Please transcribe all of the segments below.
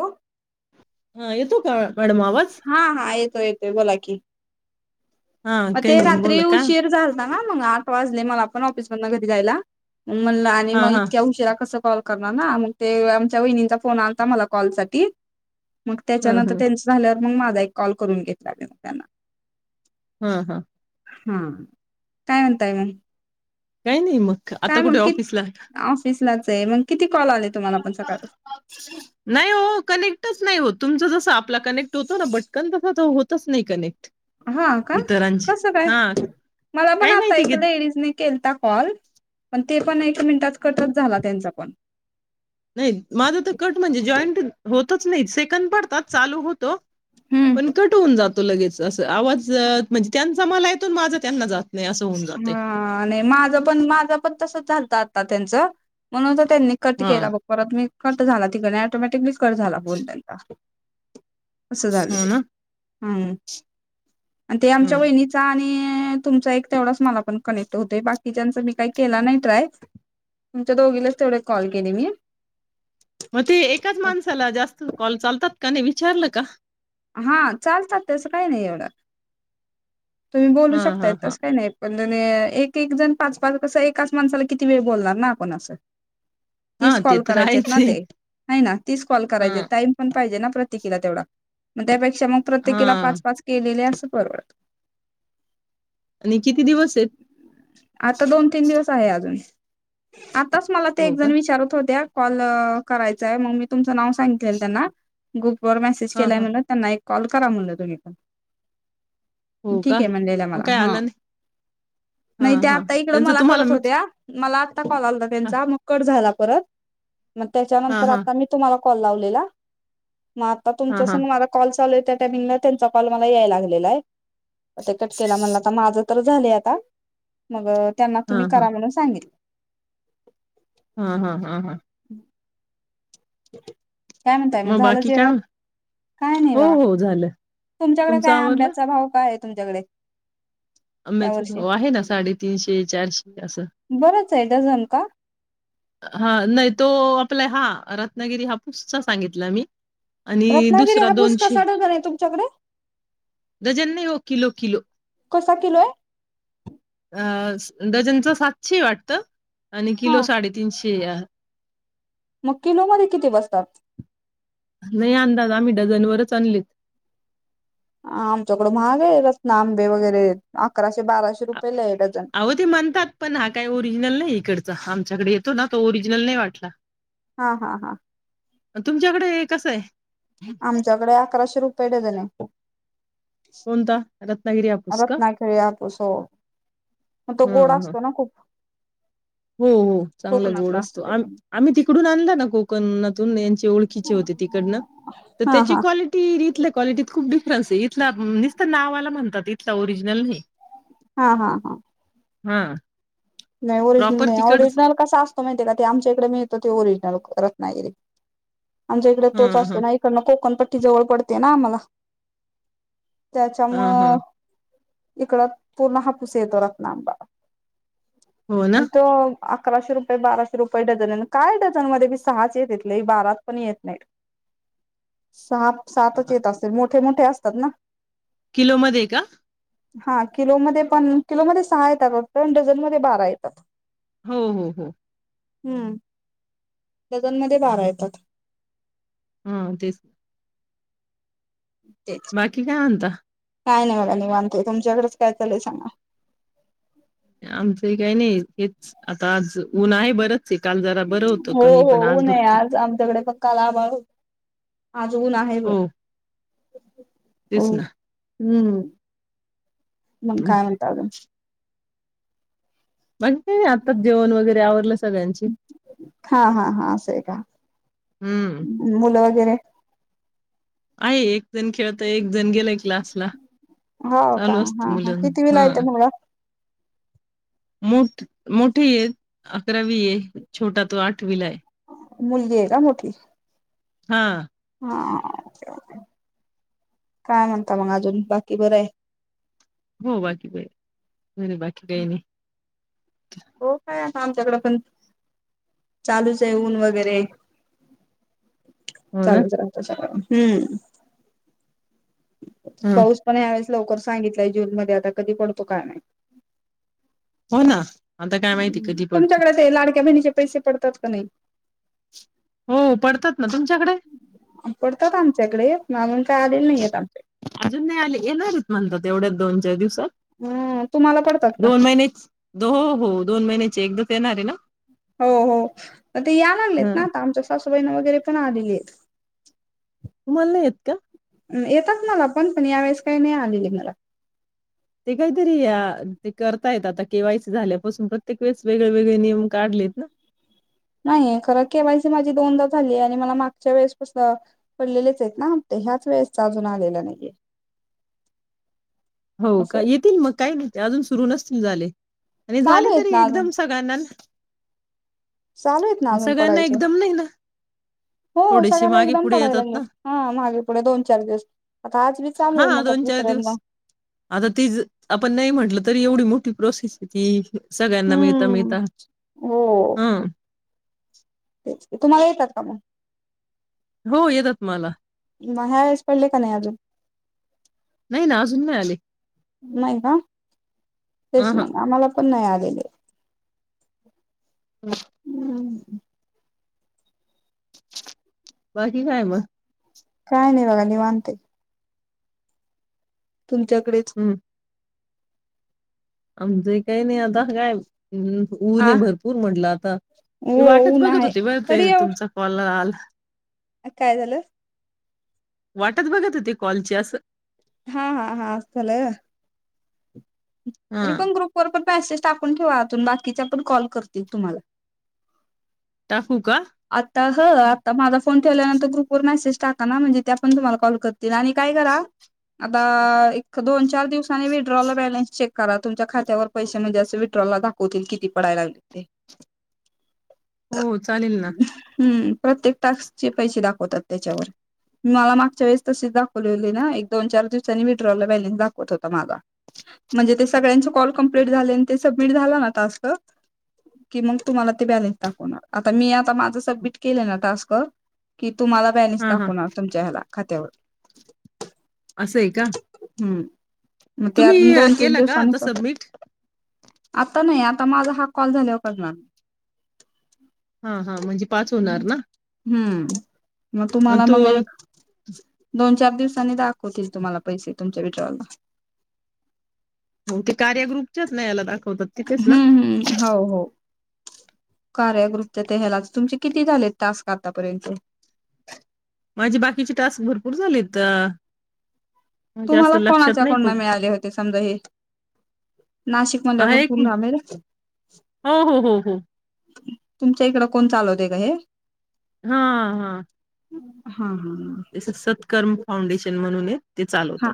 हो हा येतो का आवा हा हा येतो येत ते बोला की हा म काही ते नाही रात्री बोला का उशीर झालता हा मग आठ वाजले मला पण ऑफिसमधन घरी जायला मग म्हणलं आणि हा मग हा इतक्या उशिरा कसं कॉल करणार ना मग ते आमच्या वहिणींचा फोन आलता मला कॉल साठी मग त्याच्या हा नंतर हा त्यांच झाल्या मग माझा एक कॉल करून घेतला त त्यांना हा हा हा काय म्हणता मग काही नाही मग आता कुठे ऑफिसला आहे का [unintelligible] लाच आहे मग किती कॉल आले तुम्हाला पण सकाळपासून नाही ओ कनेक्टच नाही होत तुमचं जस आपला कनेक्ट होतो ना बटकन तस होतच नाय कनेक्ट हा का इतरांचे कस काय हा मला पण काय आता माहिती एक की लेडीज केलता कॉल पण ते पण एक मिनिटात कटच झाला त्यांचा पण नाही माझं तर कट म्हणजे जॉईंट होत [unintelligible] नइ सेकंद पडतात चालू होतो हम्म पण कट होऊन जातो लगेच आवाज म्हणजे त्यांचा मला येतो माझा त्यांना जातो हा आणि माझ पण माझं पण तस झालत आता [unintelligible] त्यांच म्हणून तर त्यांनी कट हा केला बघ परत मी कट झाला तिकडे ऑटोमॅटिकली कट झाला फोन त्यांचा अस झाल हो ते ना हाम ते ह आमच्या वहिनीचा आणि [unintelligible] तुमचा एक तेवढं तुमच्या दोघीना कनेक्ट होते बाकीच्यांचा मी केला नाही काय टाय मग ते एकाच माणसाला जास्त कॉल चालतात? त्यांना विचारलं का? हा चालतात तसं काय नाही ऐवढ. तुम्ही बोलू हां, शकताय हां, हां. तसं काही नाही. पण नाही एकेक जण पाच पाच कसं एकाच माणसाला किती वेळा बोलणार ना आपण असं. तीस हां, ते कॉल तर करायचे आहेच ना आहे. ते? हाय ना तिस कॉल करायचेत हां, टाईम पण पाहिजे ना. प्रत्येकीला तेवढा मग त्यापे मग प्रत्येकिला हां. पाच-पाच केलेल्या. परवडत. आणि किती दिवस आहेत? आता दोन-तीन दिवस आहे आजून. आत्ताच मला हो एक का? जण विचारत होत्या कॉल करायचा म्हणजे मी तुमच नाव सांगितलेलं त्यांना. ग्रुपवर मेसेज हां, केला हां. म्हणून त्यांना एक कॉल करा म्हटलं तुम्ही पण हो का? ठीक आहे म्हटलेला मग मला काय हा आला नाही? नाही हां, त्या हां. आता त्यांचं मला इकडे तुम्हाला करत मिळत होत्या. मला आ आत्ता कॉल आला होता हां, त्यांचा मग कट झाला. परत मग त्याच्या हां, नंतर मी हां, आता तुम्हाला कॉल लावलेला, मग आ हां, तुमच्या हां, संग माझा कॉल चालू आहे त्या टाइमिंग मला त्यांच्या कॉल याय लागलेलाय आता कट केला म्हटलं माझं तर झालंय आता मग त्यांना तुम्ही हां, करा हां, म्हणून सांगितलं [inaudible] हा, हा, हा, हा [inaudible] काय म्हणताय मग झालं का बाकी काय जेवण म काय नाही हो, बघा हो झालं. तुमच्याकडे तुमचं आवरलं? आंब्याचा भाव काय आहे तुमच्याकडे या आंब्याचा वर्षी भाव आहे ना साडेतीनशे चारशे असं. बरंच हाय डझन का? हा नाही तो आपला हा रत्नागिरी हापूसचा सांगितला मी. आणि रत्नागिरी दुसरं हापूस दोनशे..... कसा डझन आहे तुमच्याकडे डझन नाही हो किलो किलो... कसा किलो य? अ डझनचा सातशे हाय वाटतं. आणि किलो हा साडेतीनशे [inaudible] मग किलो मध्ये किती बसतात? नाही अंदाज आम्ही डझन वरच आणले. आमच्याकडे महाग आहे रत्ना आंबे वगैरे अकराशे बाराशे रुपये आ- अहो ते म्हणतात पण हा काय ओरिजनल नाही इकडं ज हा आमच्याकडे येतो ना तो ओरिजनल नाही वाटला. हा हा हा तुमच्याकडे हे कस य.? आमच्याकडे अकराशे रुपये डझन आहे. कोणता रत्नागिरी हा हापूस का रत्नागिरी हापूस हो म ह तो गोड ह. असतो ना खूप हो हो चांगला गोड कोकणातला असतो, आम त्याच्यामुळे आम्ही तिकडून आणला ना कोकणत [unintelligible] ओळखीचे होते तिकडंन तर हा त्याची हा क्वालिटी खूप इथल्या क्वालिटीत खूप डिफ्रेन्स आहे इथला नुसता नावाला म्हणतात. इथला ओरिजनल हा हा हा हा नाही ओरिजनल प्रॉपर नाही तिकडच ओरिजनल कसा असतो माहिते का ते आमच्याकडे मिळतो त्यो ओरिजनल रत्नागिरी.... आमच्याकडे ह तोच असतो ह ना इकडंन कोकणपट्टी जवळ पडते ना मग [inaudible] ह ह त्याच्यामुळ इकड पूर्ण हापूस येतो रत्ना आंबा.... हो पण ना. तो अकराशे रुपये बाराशे रुपये डझन आणि काय डझन मध्येबी सहाच येत्यात लई बारापण येत नाहीत.... सहा सातच येत असतील मोट त्यानं ते असतात ना. किलो मध्ये का? हा किलो मध्ये पण किलो मध्ये सहा येतात वाटतय आणि ड जण मध्ये बारा येतात. हो हो हो हम डझनमध्ये बारा येतात. हम्म तेच तेच बाकी काय म्हणता? काय नाही बघा निवांत आहे तुमच्याकडेच काय चाललय सांगा. आमचंही काय नाही तेच अता आज उन आहे. बर हो हो ऊन आहे आज आमच्याकडे पण काल आभाळ होत. आज ऊन आहे बघ. हो [inaudible] तेच हो ना हम्म मंग काय म्हणतात? वन अ आत्ताच जेवण वगैरे आवरल सगळ्याची. हा हा हा असं आहे का मुलं वगैरे आहे एक एकजण खेळतोय, एकजण गेलय. क्लासला चालू असत मुलं कितविला आहे तो मुलगा मोठ-मोठी येत अकरावीए छोटा तो आठवीला आहे. मुलगी आहे का मोठी? हा हा काय म्हणता मग अजून बाकी बर आहे. हो बाकी बरी आहे. बर बाकी काय आणि हो काय हा आमच्याकड पण चालूच आहे ऊन वगैरे हो ना चालूच राहत सगळं. हम ह पाऊस पण ह्या वेळेस लवकर सांगितलंय जूनमध्ये आता कधी पडतो काय माहित? हो ना आता काय माहिती कधी पडतो तुमच्याकडे ते लाडके बहिणीचे पैसे पडतात का नाही? हो पडतात ना तुमच्याकडे? पडतात [inaudible] नाहीयेत आमच्या अजून नाही आले येणारच म्हणतात येवढ्या दोन-चार हम्म तुम्हाला दिवसात पडतात का? दोन महिने चे दो ओ हो दोन महिन्याचे एकदम ते येणारे ना. हो-हो पण ते या लागलेत हा ना आता आमच्या सासू ट्रेन वगैरे पण आलेली आहेत. तुम्हाला नाही येत का? येतात मला पण. पण या वेळेस काही नाही आलेली मला. ते काहीतरी या ते करतायेत आता केवायसी झाल्यापासून प्रत्येक वेळेस वेगळे वेगळे नियम काढलेत ना नाही खरं केवायसी माझी दोनदा झाली आहे आणि मला मागच्या वेळेसपासन पडलेलेच आहेत ना हप्ते ह्याच वेळेसचा अजून आलेला नाहीये. हो असं का आहे. येतील मग काही नाही अजून सुरू नस न झाले. आणि चालू झाले आहेत तरी ना अजून एकदम सगळ्यांना ना? चालू आहेत ना अजून पडायचे एकदम नाही ना हो थोडेसे सगळ्यांना मागे एकदम पुढे पडायला येतात ना. लागलेत, हा मागे पुढे दोन चार दिवस. आता आज बी चालू आहे हा दोन म्हणतात चार वितरण दिवस मग आता तीच आपण नाही म्हटलं तरी एवढी मो ती प्रोसेस [unintelligible] सगळ्यांना मिळता, हम्म मिळता. हो हं [inaudible] तेच की. तुम्हाला येतात का मग? हो येतात मला. माहेयास पडली का नाही अजून? नाही ना अजून नाही आले. नाही का? अ तेच हा मग आम्हाला कोण नाय आलेले [inaudible] बाकी काय म काय नाय बघा निवांतये तुमच्याकडेच आमज एक काही नाही आता काय ऊन आ आहे भरपूर म्हटलं आता हो मी वाटच ऊन बघत आहे होती बर तई तुमचा कॉल आल अ काय झालं? वाटच बघत होती कॉलची अस हा हा हा अस झालंय व्हय हा तरी पण ग्रुप वर पण मेसेज टाकून ठेवा तून बाकीच्या पण कॉल करतील तुम्हाला रिकामा ऑडिओ [inaudible] आता हं आता माझा फोन ठेवल्यानंतर ग्रुपवर मेसेज टाका ना म्हणजे त्यापण तुम्हाला कॉल करतील आणि काय करा आता एक दोन चार दिवसानी विथड्रॉला बॅलन्स चेक करा तुमच्या खात्यावर पैशे म्हणजे अस विथड्रॉला दाखवतील किती पडायला लागलेत ते हो- चालेल ना हम्म प्रत्येक टास्क चे पैशे दाखवतात त्याच्यावर मला मागच्या वेळेस तशेच दाखवलेली ना एक दोन चार दिवसांनी विड्रॉला बॅलेन्स दाखवत होता माझा म्हणजे ते सगळ्यांचे कॉल कम्प्लीट झालेन आणि ते सबमिट झाला ना टास्क कि मग तुम्हाला ते बॅलेन्स दाखवणार आ त मी आता माझं सबमिट केलं ना टास्क की तुम्हाला बॅलेन्स हा हा दाखवणार तुमच्या ह्याला खात्यावर असंय का हूं मग ते तुम्ही अजून अ, दोन तीन केलं का आता दिवसांनीच, सबमिट आता नाही आत आता माझा हा कॉल झाल्याव करणार. हा हा म्हणजे पाच होणार ना हम्म मग अन तुम्हाला तू मग एक दोन चार दिवसांनी दाख होतील तुम्हाला पैसे तुमचे विचार हो ते कार्याग्रुपच्याच नाही याला दाखव हम्म हम्म हो हो कार्याग्रुपच्या त्या हेला तुमचे आता किती झालेत टास्क आता पर्यंत माझी बाकीचे टास्क भरपूर झालेत. म्हणजे असं तुम्हाला लक्षात कोणाच्या नाही कोणला पण मिळाले होते समजा हे नाशिक मधल्या आहे भरपूर एक हो हो हो हो [unintelligible] तुमच्या इकड कोण चालवते का हे? हा हा हा हा ते सत्कर्म फाउंडेशन म्हणून हे हा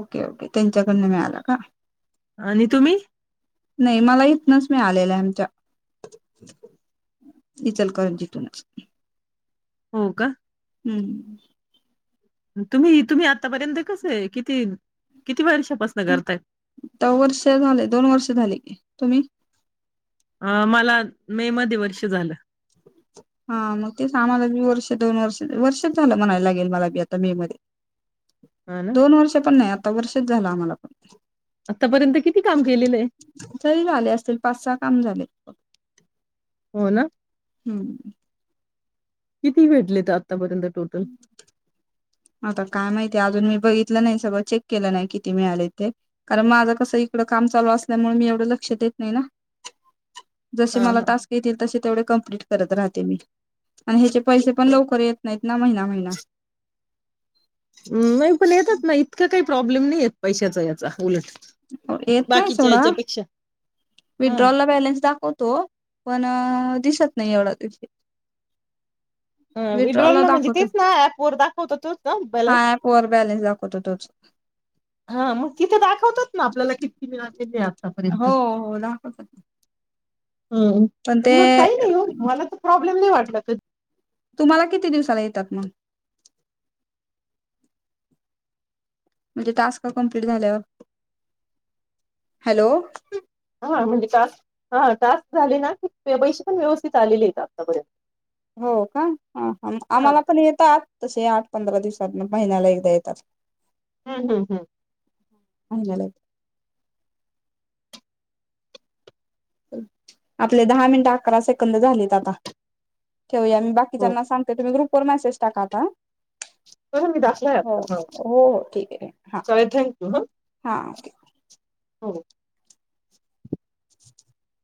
ओके ओके त्यांच्याकडन मिळाला का आणि तुम्ही नाही मला इथनच मिळालेला आहे. [unintelligible] हो का हम्म तुम्ही तुम्ही आतापर्यंत कसं आहे किती कित वर्ष झाले दोन वर्ष झाले की, तुम्ही? अ मला मे मध्ये वर्ष झालं. हा मग तेच आम्हाला वर्ष दोन वर्ष वर्षच झालं म्हणायला लागेल मलाी आता मे मध्ये हा ना दोन वर्ष पण नाही आता वर्ष झालं आम्हाला पण आतापर्यंत किती काम केलेलं आहे. तरी झाले असतील पाच सहा [inaudible] हो ना हम्म किती भेटलेता आता काय माहितीय अजून मी बघित नाही सगळ चेक केलं नाही कि मिळाले ते कारण माझं कसं इकड काम चालू असल्यामुळे मी एवढं लक्ष द येत नाही ना. जसे हा मला हा टास्क येतील तसे तेवढे कम्प्लिट करत राहते मी आणि ह्याचे पैसे पण लवकर येत नाही. ना महिना महिना नाही पण येतात ना इतकं काही प्रॉब्लेम नाही आहेतेत पैशाचा याचा उलट येत नाही बाकीच्या सोडा याच्यापेक्षा हा. विड्रॉल ला बॅलेन्स दाखवतो पण दिसत नाही एवढं विड्रॉल ना म्हणजे तेच ना ऍप वर दाखवत तोच ना हा बॅलन्स ऍप वर बॅलन्स दाखवतो तोच हा मग तिथे दाखवत ना आपल्याला कती मिळल हो हो दाखवत हम पण मग काही नाही हो मला तर प्रॉब्लेम नाही वाटत [inaudible] तुम्हाला किती दिवसाला येतात मग म्हणजे टास्क कम्प्लीट झाल्यावर हॅलो हा म्हणजे हा टास्क झाले ना पैसे पण व्यवस्थित आले आहेत आतापर्यंत हो का हा आम्हाला पण येतात तसे आठ पंधरा दिवसात महिन्याला एकदा येतात हम्म हम्म हम्म अला आपले दहा मिनट अकरा सेकंद झालेत आता ठेऊया मी हो बाकीच्याना सांगते तुम्ही ग्रुप वर मेसेज टाका आता मी दाखलाय हो आता ह हो हो ठीक आहे हा चाले थँंक यू हा हा हो [inaudible]